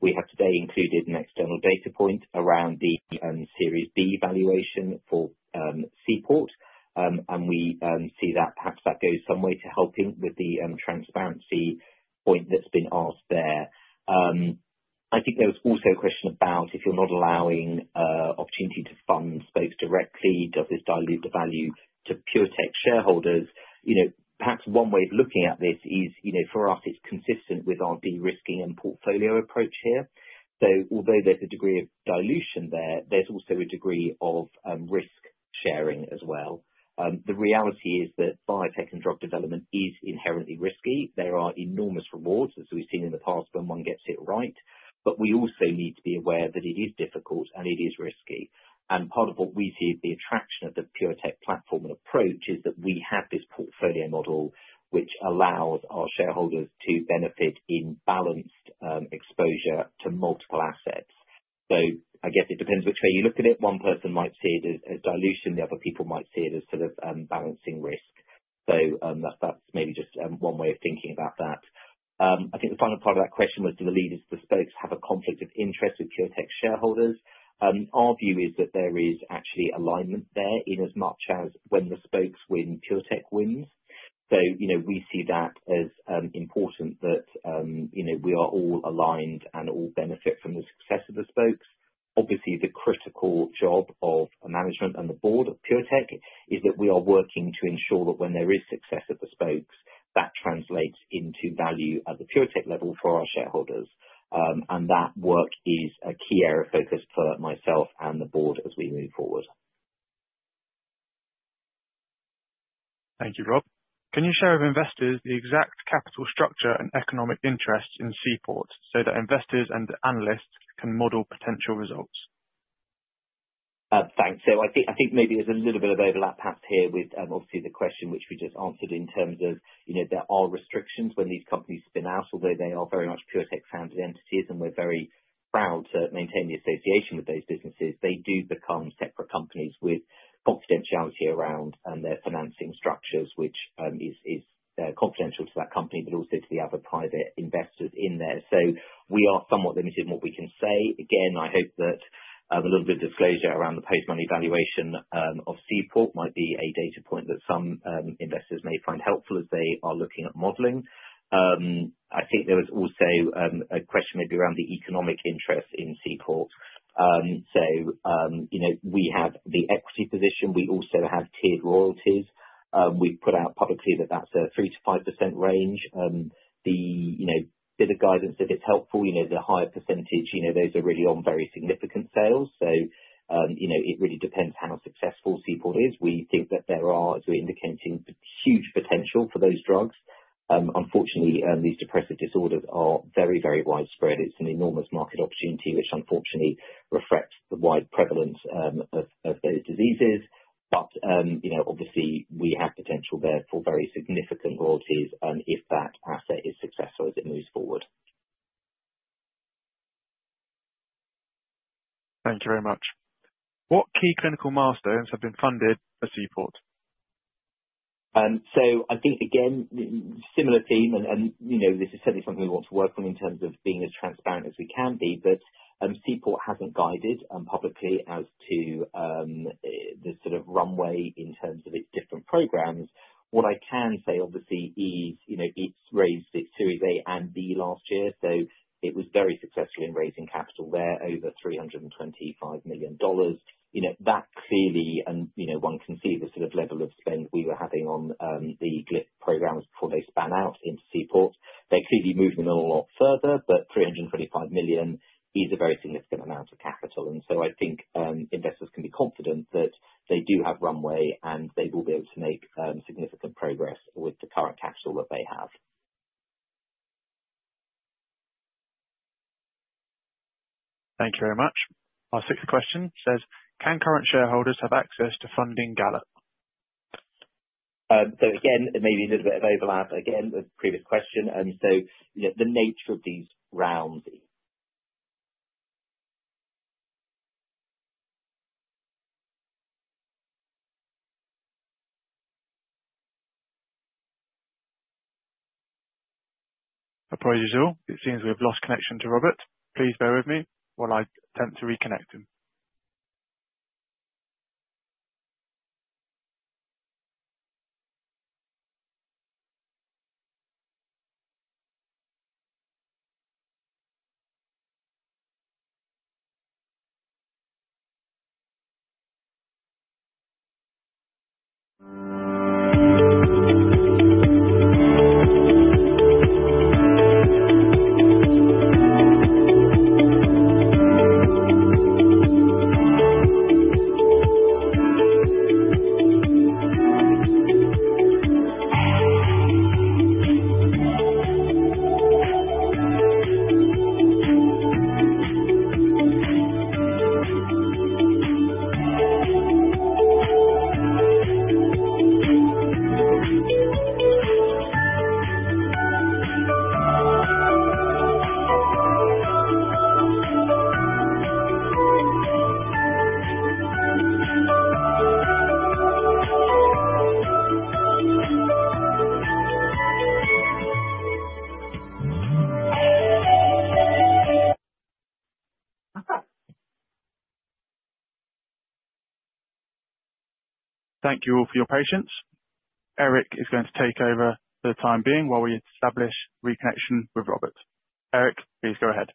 We have today included an external data point around the Series B valuation for Seaport, and we see that perhaps that goes some way to helping with the transparency point that's been asked there. I think there was also a question about if you're not allowing opportunity to fund spokes directly, does this dilute the value to PureTech shareholders? Perhaps one way of looking at this is, for us, it's consistent with our de-risking and portfolio approach here. Although there's a degree of dilution there, there's also a degree of risk sharing as well. The reality is that biotech and drug development is inherently risky. There are enormous rewards, as we've seen in the past when one gets it right, but we also need to be aware that it is difficult and it is risky. Part of what we see is the attraction of the PureTech platform and approach is that we have this portfolio model which allows our shareholders to benefit in balanced exposure to multiple assets. I guess it depends which way you look at it. One person might see it as dilution, other people might see it as sort of balancing risk. That's maybe just one way of thinking about that. I think the final part of that question was, do the leaders of the spokes have a conflict of interest with PureTech shareholders? Our view is that there is actually alignment there in as much as when the spokes win, PureTech wins. We see that as important that we are all aligned and all benefit from the success of the spokes. Obviously, the critical job of management and the board of PureTech is that we are working to ensure that when there is success at the spokes, that translates into value at the PureTech level for our shareholders, and that work is a key area of focus for myself and the board as we move forward. Thank you, Rob. Can you share with investors the exact capital structure and economic interest in Seaport Therapeutics so that investors and analysts can model potential results? Thanks. I think maybe there's a little bit of overlap perhaps here with obviously the question which we just answered in terms of, you know, there are restrictions when these companies spin out. Although they are very much PureTech-founded entities and we're very proud to maintain the association with those businesses, they do become separate companies with confidentiality around their financing structures, which is confidential to that company, but also to the other private investors in there. We are somewhat limited in what we can say. I hope that a little bit of disclosure around the post-money valuation of Seaport might be a data point that some investors may find helpful as they are looking at modeling. I think there was also a question maybe around the economic interest in Seaport. We have the equity position. We also have tiered royalties. We've put out publicly that that's a 3%-5% range. The bit of guidance that it's helpful, the higher percentage, those are really on very significant sales. It really depends how successful Seaport is. We think that there are, as we were indicating, huge potential for those drugs. Unfortunately, these depressive disorders are very, very widespread. It's an enormous market opportunity which unfortunately reflects the wide prevalence of those diseases. We have potential there for very significant royalties if that asset is successful as it moves forward. Thank you very much. What key clinical milestones have been funded at Seaport? I think, again, similar team, and this is certainly something we want to work on in terms of being as transparent as we can be, but Seaport Therapeutics hasn't guided publicly as to the sort of runway in terms of its different programs. What I can say obviously is, it's raised its Series A and B last year, so it was very successful in raising capital there, over $325 million. That clearly, and one can see the sort of level of spend we were having on the Glyph platform programs before they spun out into Seaport Therapeutics. They've clearly moved them a lot further, but $325 million is a very significant amount of capital. I think investors can be confident that they do have runway and they will be able to make significant progress with the current capital that they have. Thank you very much. Our sixth question says, can current shareholders have access to funding Gallop Oncology? There may be a little bit of overlap with the previous question. You know, the nature of these rounds. Apologies. It seems we have lost connection to Robert. Please bear with me while I attempt to reconnect him. Thank you all for your patience. Eric is going to take over for the time being while we establish reconnection with Robert. Eric, please go ahead.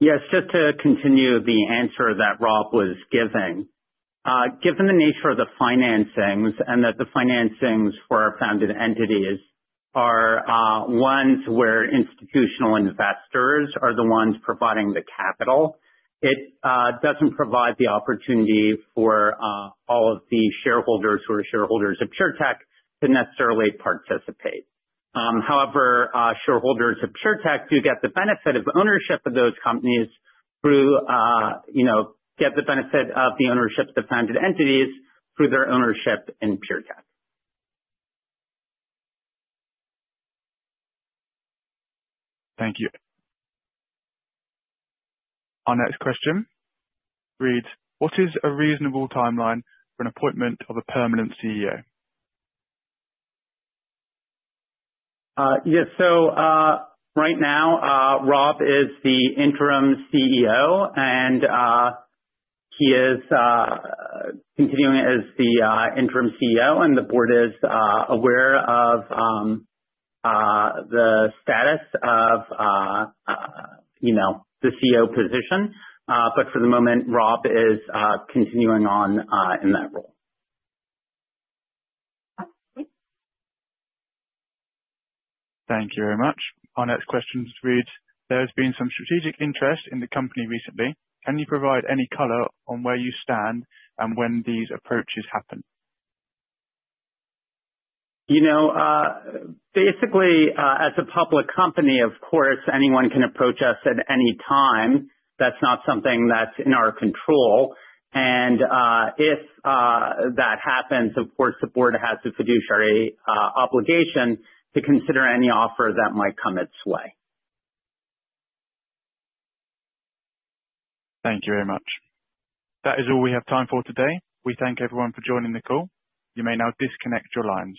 Yes, just to continue the answer that Rob was giving, given the nature of the financings and that the financings for our founded entities are ones where institutional investors are the ones providing the capital, it doesn't provide the opportunity for all of the shareholders who are shareholders of PureTech to necessarily participate. However, shareholders of PureTech do get the benefit of ownership of those companies through the benefit of the ownership of the founded entities through their ownership in PureTech. Thank you. Our next question reads, what is a reasonable timeline for an appointment of a permanent CEO? Yes, right now, Robert Lyne is the Interim CEO, and he is continuing as the Interim CEO. The board is aware of the status of the CEO position. For the moment, Robert Lyne is continuing on in that role. Thank you very much. Our next question reads, there has been some strategic interest in the company recently. Can you provide any color on where you stand and when these approaches happened? Basically, as a public company, of course, anyone can approach us at any time. That's not something that's in our control. If that happens, of course, the board has the fiduciary obligation to consider any offer that might come its way. Thank you very much. That is all we have time for today. We thank everyone for joining the call. You may now disconnect your lines.